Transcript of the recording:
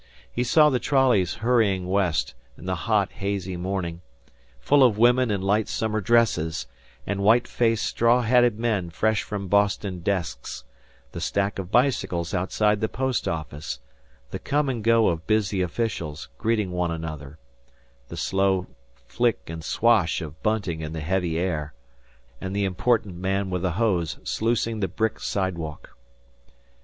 He saw the trolleys hurrying west, in the hot, hazy morning, full of women in light summer dresses, and white faced straw hatted men fresh from Boston desks; the stack of bicycles outside the post office; the come and go of busy officials, greeting one another; the slow flick and swash of bunting in the heavy air; and the important man with a hose sluicing the brick sidewalk.